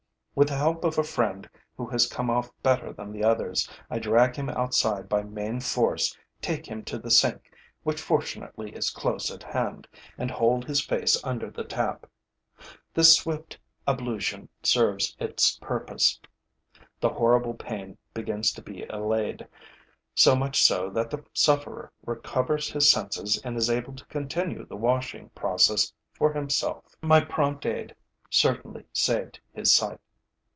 With the help of a friend who has come off better than the others, I drag him outside by main force, take him to the sink, which fortunately is close at hand, and hold his face under the tap. This swift ablution serves its purpose. The horrible pain begins to be allayed, so much so that the sufferer recovers his senses and is able to continue the washing process for himself. My prompt aid certainly saved his sight.